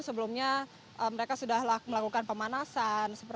sebelumnya mereka sudah melakukan pemanasan